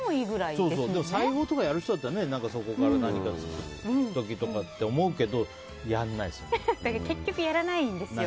裁縫とかやる人だったらそこから何か作ったりするかと思うけど結局やらないんですよ。